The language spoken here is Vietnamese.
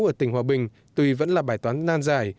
ở tỉnh hòa bình tùy vẫn là bài toán nan dài